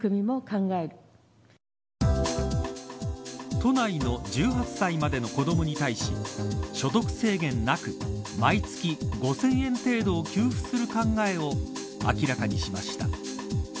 都内の１８歳までの子どもに対し所得制限なく毎月５０００円程度を給付する考えを明らかにしました。